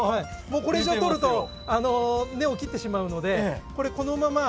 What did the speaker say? もうこれ以上取ると根を切ってしまうのでこれこのまま。